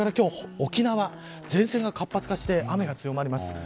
沖縄は、前線が活発化して雨が強まります。